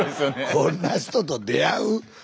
こんな人と出会う？